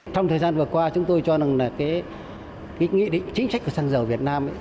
trong thời gian vừa qua chúng tôi cho rằng là cái nghị định chính sách của xăng dầu việt nam